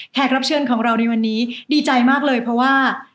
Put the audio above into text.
รับเชิญของเราในวันนี้ดีใจมากเลยเพราะว่า